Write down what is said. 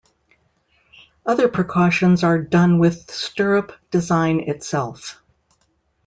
Other precautions are done with stirrup design itself.